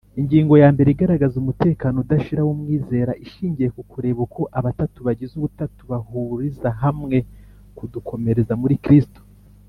Ingingo ya mbere igaragaza umutekano udashira w'umwizera ishingiye ku kureba uko abatatu bagize ubutatu bahuriza hamwe kudukomereza muri Kristo.